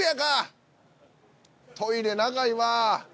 トイレ長いわ。